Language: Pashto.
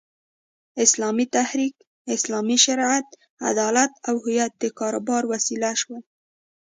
اسلامي تحریک، اسلامي شریعت، عدالت او هویت د کاروبار وسیله شول.